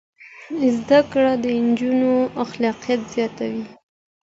زده کړه د نجونو خلاقیت زیاتوي.